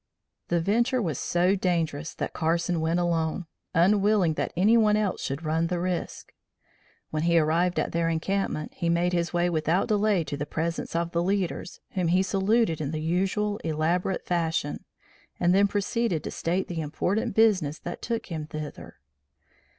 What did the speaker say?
The venture was so dangerous that Carson went alone, unwilling that any one else should run the risk. When he arrived at their encampment, he made his way without delay to the presence of the leaders, whom he saluted in the usual elaborate fashion, and then proceeded to state the important business that took him thither.